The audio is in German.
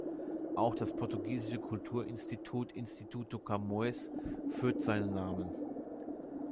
Auch das portugiesische Kulturinstitut Instituto Camões führt seinen Namen.